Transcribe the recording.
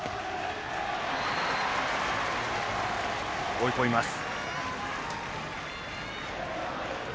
追い込みます。